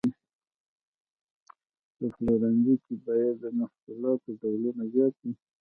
په پلورنځي کې باید د محصولاتو ډولونه زیات وي.